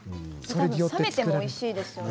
冷めてもおいしいですよね